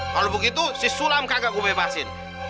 kalo begitu si sulam kagak gue bebasin